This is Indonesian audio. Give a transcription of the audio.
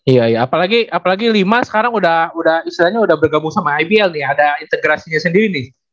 iya ya apalagi lima sekarang udah istilahnya udah bergabung sama ibl nih ada integrasinya sendiri nih